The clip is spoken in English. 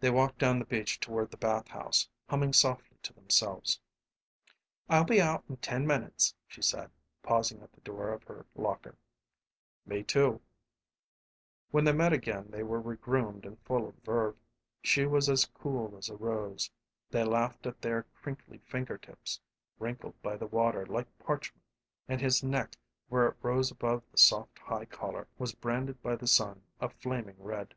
They walked down the beach toward the bathhouse, humming softly to themselves. "I'll be out in ten minutes," she said, pausing at the door of her locker. "Me too," he said. When they met again they were regroomed and full of verve. She was as cool as a rose. They laughed at their crinkly finger tips wrinkled by the water like parchment; and his neck, where it rose above the soft high collar, was branded by the sun a flaming red.